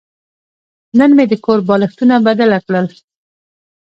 نن مې د کور بالښتونه بدله کړل.